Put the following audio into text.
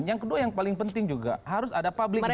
yang ke dua yang paling penting juga harus ada public hearing